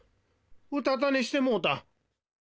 うたたねしてもうた。